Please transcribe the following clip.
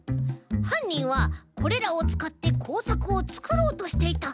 はんにんはこれらをつかってこうさくをつくろうとしていた。